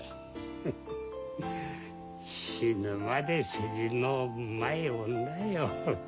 フンッ死ぬまで世辞のうまい女よ。